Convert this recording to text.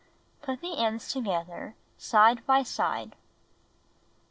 Put the ends together, side by side.